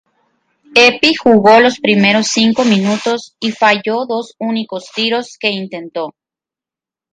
Epi jugó los primeros cinco minutos y falló los dos únicos tiros que intentó.